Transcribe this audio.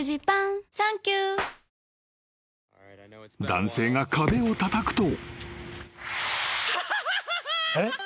［男性が壁をたたくと］